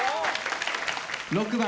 ６番。